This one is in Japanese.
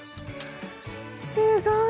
すごい。